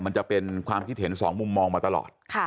มันจะเป็นความคิดเห็นสองมุมมองมาตลอด